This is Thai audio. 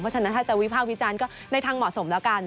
เพราะฉะนั้นถ้าจะวิภาควิจารณ์ก็ในทางเหมาะสมแล้วกัน